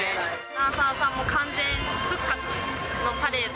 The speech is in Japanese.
ダンサーさんも完全復活のパレード。